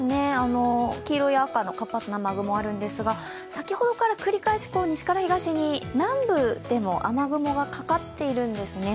黄色い赤の活発な雨雲あるんですが西から東に南部でも雨雲がかかっているんですね。